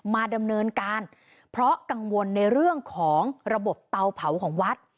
มาดำเนินการเพราะกังวลในเรื่องของระบบเตาเผาของวัด